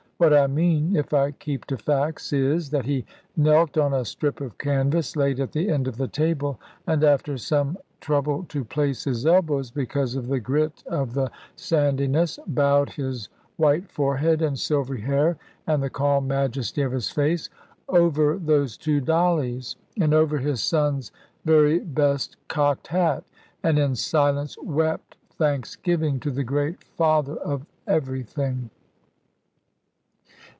What I mean if I keep to facts is, that he knelt on a strip of canvas laid at the end of the table, and after some trouble to place his elbows (because of the grit of the sandiness), bowed his white forehead and silvery hair, and the calm majesty of his face, over those two dollies, and over his son's very best cocked hat, and in silence wept thanksgiving to the great Father of everything.